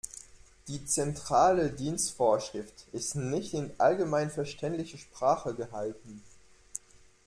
Die Zentrale Dienstvorschrift ist nicht in allgemeinverständlicher Sprache gehalten.